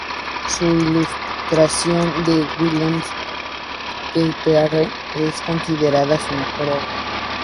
Su ilustración de William Shakespeare es considerada su mejor obra.